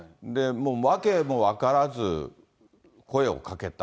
訳も分からず声をかけた。